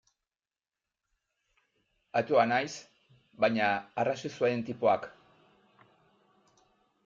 Ateoa naiz, baina arrazoi zuen tipoak.